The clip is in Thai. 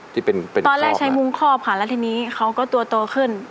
ที่เป็นตอนแรกใช้มุ้งคอบค่ะแล้วทีนี้เขาก็ตัวโตขึ้น